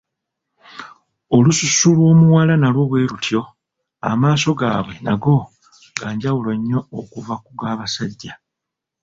Olususu lw'omuwala nalwo bwe lutyo, amaaso agaabwe nago ga njawulo nnyo okuva ku ga basajja